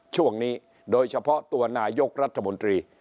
ช่วงนี้โดยเฉพาะตัวนายกรัฐมนตรี